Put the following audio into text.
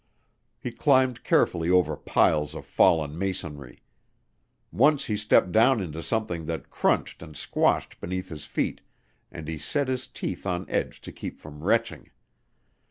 He climbed carefully over piles of fallen masonry. Once he stepped down into something that crunched and squashed beneath his feet and he set his teeth on edge to keep from retching.